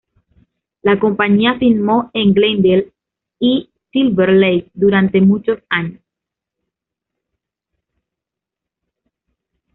La compañía filmó en Glendale y Silver Lake durante muchos años.